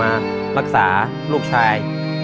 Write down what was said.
มารักษาลูกชาย